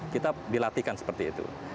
kita dilatihkan seperti itu